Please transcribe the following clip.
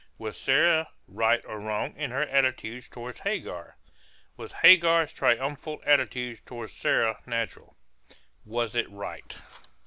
Was Sarah right or wrong in her attitude toward Hagar? Was Hagar's triumphal attitude toward Sarah natural? Was it right?